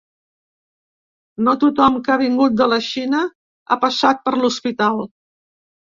No tothom que ha vingut de la Xina ha passat per l’hospital.